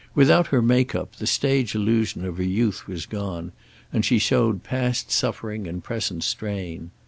Without her make up the stage illusion of her youth was gone, and she showed past suffering and present strain.